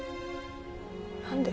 何で？